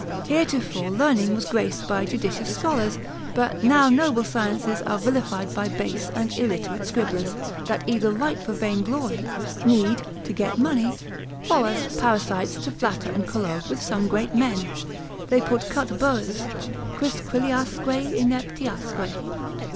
Heretofore learning was graced by judicious scholars, but now noble sciences are vilified by base and illiterate scribblers, that either write for vainglory, need, to get money, or as Parasites to flatter and collogue with some great men, they put cut burras, quisquiliasque ineptiasque.